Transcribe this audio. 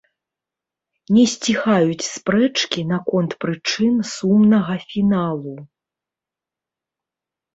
Не сціхаюць спрэчкі наконт прычын сумнага фіналу.